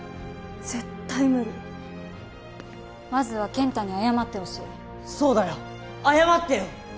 絶対無理まずは健太に謝ってほしいそうだよ謝ってよ！